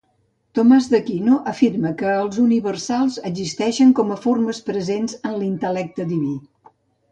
Tomàs d'Aquino afirma que els universals existeixen com a formes presents en l'intel·lecte diví.